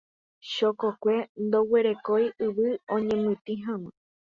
Chokokue ndoguerekói yvy oñemitỹ hag̃ua.